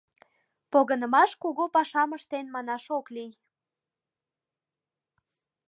Погынымаш кугу пашам ыштен манаш ок лий.